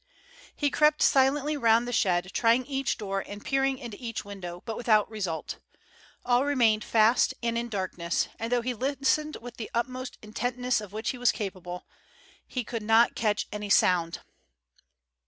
He crept silently round the shed, trying each door and peering into each window, but without result. All remained fast and in darkness, and though he listened with the utmost intentness of which he was capable, he could not catch any sound.